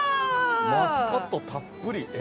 マスカットたっぷりえ。